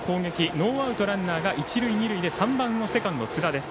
ノーアウトランナーが一塁二塁で３番のセカンド、津田です。